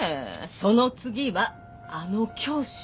その次はあの教師。